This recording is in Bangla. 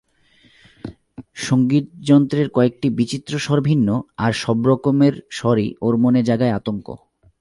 সংগীত যন্ত্রের কয়েকটি বিচিত্র স্বর ভিন্ন আর সবরকমের স্বরই ওর মনে জাগায় আতঙ্ক।